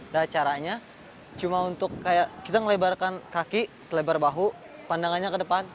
dan caranya cuma untuk kayak kita ngelebarkan kaki selebar bahu pandangannya ke depan